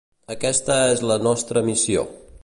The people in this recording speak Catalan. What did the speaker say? Aquesta és la nostra missió.